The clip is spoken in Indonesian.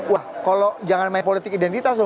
wah kalau jangan main politik identitas loh